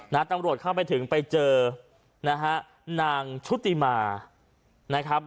ตำรวจเข้าไปถึงไปเจอนะฮะนางชุติมานะครับ